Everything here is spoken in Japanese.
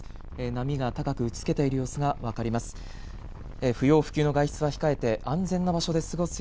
波が高く打ちつけている様子が分かります。